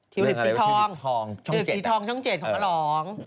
ชีวิตสีทองชีวิตสีทองช่องเจ็ดของอรอง